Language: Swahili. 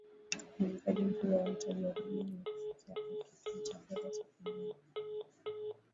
uwekezaji mkubwa wa mtaji wa kigeni na kufikia kuwa kituo cha fedha cha kieneo